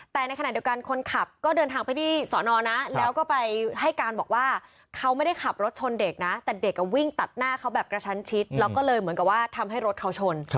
แต่ในขณะเดียวกันคนขับก็เดินทางไปที่สอนอนะแล้วก็ไปให้การบอกว่าเขาไม่ได้ขับรถชนเด็กนะแต่เด็กวิ่งตัดหน้าเขาแบบกระชั้นชิดแล้วก็เลยเหมือนกับว่าทำให้รถเขาชน